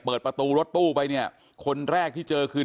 เปิดประตูรถตู้ไปเนี่ยคนแรกที่เจอคือ